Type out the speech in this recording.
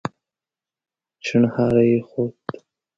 شڼهاری يې خوت.